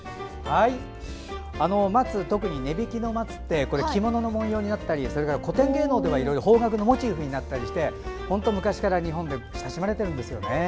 特に根引きの松って着物の紋様になっていたりそれから、古典芸能ではいろいろ邦楽のモチーフになったり昔から日本では親しまれているんですよね。